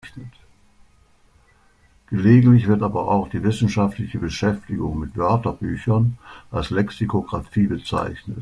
Gelegentlich wird aber auch die wissenschaftliche Beschäftigung mit Wörterbüchern als "Lexikografie" bezeichnet.